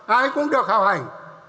ai cũng được hào hẳn